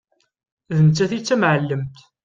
D nettat i d tamεellemt.